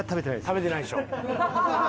食べてないでしょ？